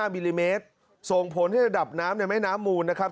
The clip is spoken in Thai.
มิลลิเมตรส่งผลให้ระดับน้ำในแม่น้ำมูลนะครับ